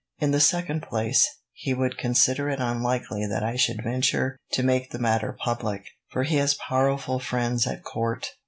In the second place, he would consider it unlikely that I should venture to make the matter public, for he has powerful friends at court.